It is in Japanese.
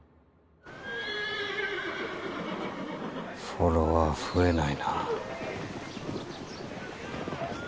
フォロワー増えないなぁ。